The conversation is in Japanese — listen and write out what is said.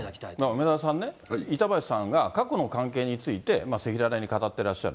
梅沢さんね、板橋さんが過去の関係について赤裸々に語っていらっしゃる。